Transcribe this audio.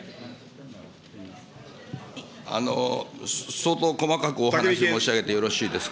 相当細かく申し上げてよろしいですか。